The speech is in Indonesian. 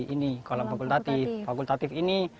ini kolam fakultatif fakultatif ini